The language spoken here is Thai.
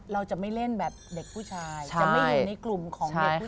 เราจะไม่เล่นแบบเด็กผู้ชายจะไม่อยู่ในกลุ่มของเด็ก